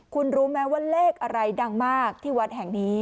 คุณรู้ไหมว่าเลขอะไรดังมากที่วัดแห่งนี้